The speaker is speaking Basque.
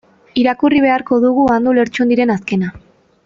Irakurri beharko dugu Andu Lertxundiren azkena.